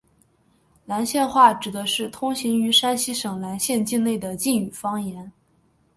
岚县话指的是通行于山西省岚县境内的晋语方言。